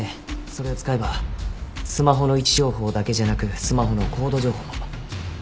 それを使えばスマホの位置情報だけじゃなくスマホの高度情報も。